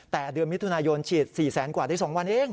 แต่เดือนมิถุนายนฉีด๔แสนกว่าได้๒วันเอง